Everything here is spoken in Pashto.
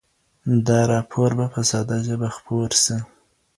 دا راپور به په ساده ژبه خپور سي.